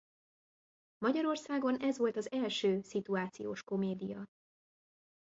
Magyarországon ez volt az első szituációs komédia.